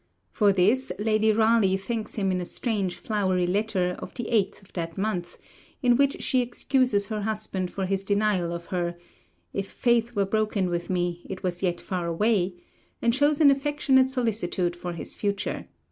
For this Lady Raleigh thanks him in a strange flowery letter of the 8th of that month, in which she excuses her husband for his denial of her 'if faith were broken with me, I was yet far away' and shows an affectionate solicitude for his future.